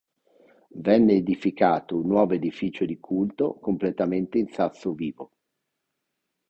Venne edificato un nuovo edificio di culto completamente in sasso vivo.